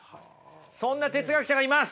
そんな哲学者がいます。